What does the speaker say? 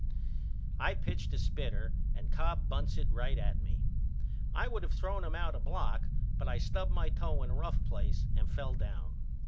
I pitched a spitter and Cobb bunts it right at me. I would of threw him out a block but I stubbed my toe in a rough place and fell down.